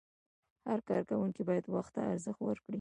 هر کارکوونکی باید وخت ته ارزښت ورکړي.